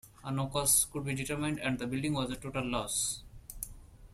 No cause could be determined and the building was a total loss.